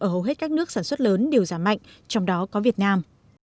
ở hầu hết các nước sản xuất lớn đều giảm mạnh trong đó có việt nam